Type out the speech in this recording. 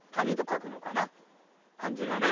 漢字がね。